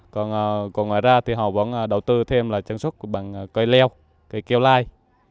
còn còn ngoài ra thì họ vẫn đầu tư thêm là sản xuất bằng cây leo cây keo lai